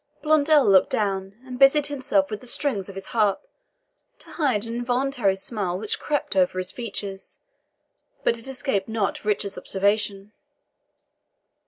Blondel looked down, and busied himself with the strings of his harp, to hide an involuntary smile which crept over his features; but it escaped not Richard's observation.